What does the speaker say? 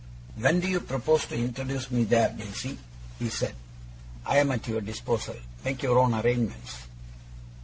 'When do you propose to introduce me there, Daisy?' he said. 'I am at your disposal. Make your own arrangements.